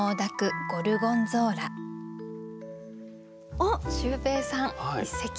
あっシュウペイさん一席。